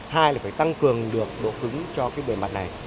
hai là phải tăng cường được độ cứng cho cái bề mặt này